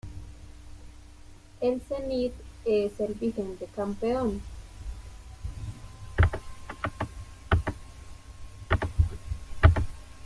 El Zenit es el vigente campeón.